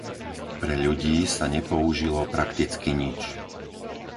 Pre ľudí sa nepoužilo prakticky nič.